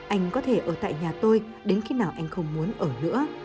anh có thể ở tại nhà tôi đến khi nào anh không muốn ở nữa